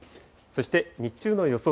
そして日中の予想